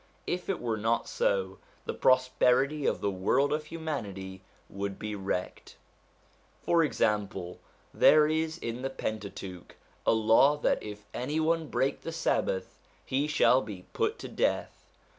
If it were not so, the prosperity of the world of humanity would be wrecked. For example, there is in the Pentateuch a law that if any one break the Sabbath, he shall be put to death.